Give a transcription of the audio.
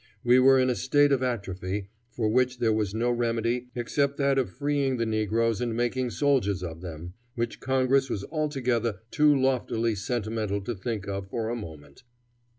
We were in a state of atrophy for which there was no remedy except that of freeing the negroes and making soldiers of them, which Congress was altogether too loftily sentimental to think of for a moment.